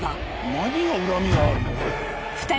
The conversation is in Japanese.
何が恨みがあるの？